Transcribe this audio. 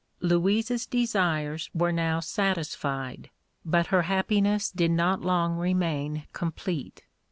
Louise's desires were now satisfied, but her happiness did not long remain complete.